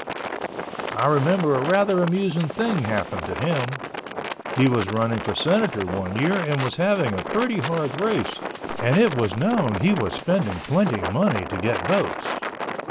I remember a rather amusing thing happened to him. He was running for Senator one year and was having a pretty hard race and it was known he was spending plenty money to get votes.